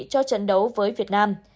cho trận đấu với việt nam